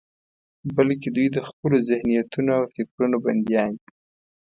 بلکې دوی د خپلو ذهنيتونو او فکرونو بندیان دي.